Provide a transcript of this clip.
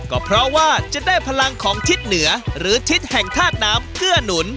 ก็เพราะว่าจะได้พลังของทิศเหนือหรือทิศแห่งธาตุน้ำเกื้อหนุน